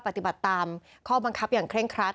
ปฏิบัติตามข้อบังคับอย่างเคร่งครัด